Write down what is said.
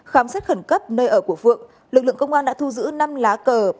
khám xét khẩn cấp nơi ở của phượng lực lượng công an đã thu giữ năm lá cờ